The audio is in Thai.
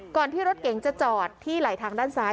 ที่รถเก๋งจะจอดที่ไหลทางด้านซ้าย